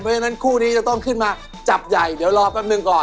เพราะฉะนั้นคู่นี้จะต้องขึ้นมาจับใหญ่เดี๋ยวรอแป๊บหนึ่งก่อน